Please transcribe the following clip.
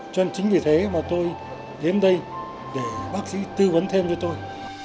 cho nên chính vì thế mà tôi đến đây để bác sĩ tư vấn thêm cho tôi